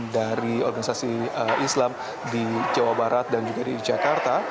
dari organisasi islam di jawa barat dan juga di jakarta